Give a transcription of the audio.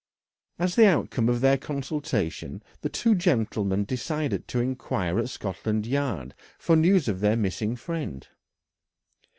As the outcome of their consultation the two gentlemen decided to inquire at Scotland Yard for news of their missing friend.